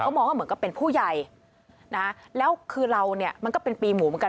มองว่าเหมือนกับเป็นผู้ใหญ่นะแล้วคือเราเนี่ยมันก็เป็นปีหมูเหมือนกัน